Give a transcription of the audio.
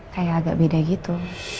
kayak agak beda gitu